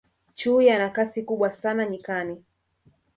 chui ana Kasi kubwa sana nyikani